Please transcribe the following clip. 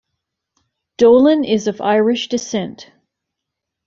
Dolan is of Irish descent.